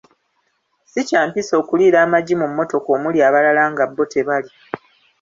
Ssi kya mpisa okuliira amagi mu mmotoka omuli abalala nga bo tebalya.